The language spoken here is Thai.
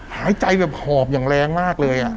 หายใจแบบหอบอย่างแรงมากเลย